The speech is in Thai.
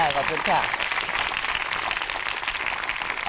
ขอบคุณครับ